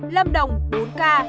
lâm đồng bốn ca